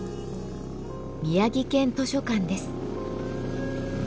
宮城県図書館です。